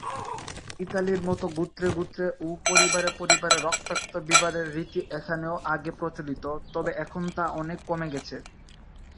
ইতালির মত গোত্রে গোত্রে ও পরিবারে পরিবারে রক্তাক্ত বিবাদের রীতি এখানেও আগে প্রচলিত, তবে এখন তা অনেক কমে গেছে।